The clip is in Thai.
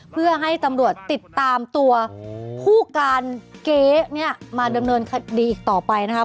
เพื่อให้ตำรวจติดตามตัวผู้การเก๊เนี่ยมาดำเนินคดีอีกต่อไปนะครับ